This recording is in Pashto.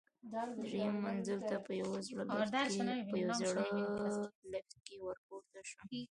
درېیم منزل ته په یوه زړه لفټ کې ورپورته شوم.